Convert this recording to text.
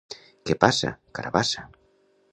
—Què passa? —Carabassa!